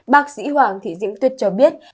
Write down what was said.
bác sĩ hoàng thị diễm tuyết cho biết